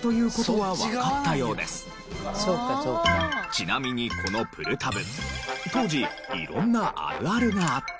ちなみにこのプルタブ当時色んなあるあるがあって。